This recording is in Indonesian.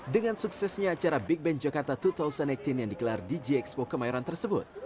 dengan suksesnya acara big band jakarta dua ribu delapan belas yang digelar di gxpo kemayoran tersebut